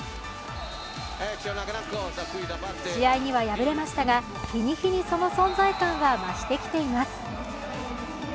試合には敗れましたが日に日にその存在感は増してきています。